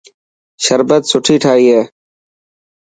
شربت سٺي ٺاهي هي.